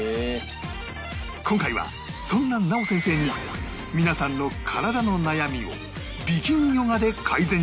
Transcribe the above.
今回はそんななお先生に皆さんの体の悩みを美筋ヨガで改善して頂きます